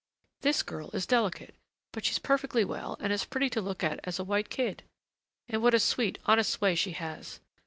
This girl is delicate, but she's perfectly well and as pretty to look at as a white kid! And what a sweet, honest way she has!